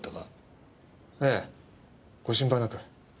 ええご心配なく。